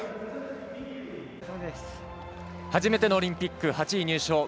初めてのオリンピック８位入賞